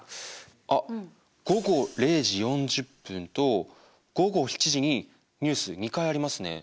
あっ午後０時４０分と午後７時にニュース２回ありますね。